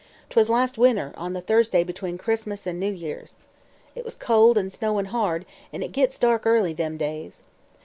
"'Twas last winter on the Thursday between Christmas an' New Year's. It was cold an' snowin' hard, an' it gits dark early them days.